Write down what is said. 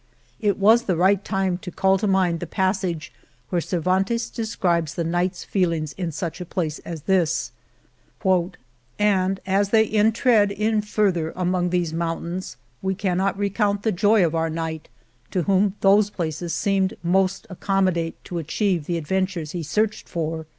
It was the right time to call to mind the passage where Cervantes describes the knight's feelings in such a place as this : And as they entred in farther among those mountaines, we cannot recount the joy of our Knight, to whom those places seemed most accommodate to atchieve the advent ures he searched for.